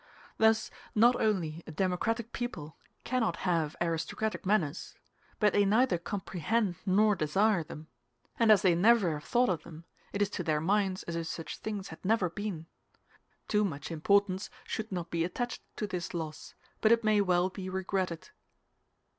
Thus not only a democratic people cannot have aristocratic manners, but they neither comprehend nor desire them; and as they never have thought of them, it is to their minds as if such things had never been. Too much importance should not be attached to this loss, but it may well be regretted.